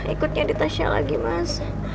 ikutnya di tasya lagi mas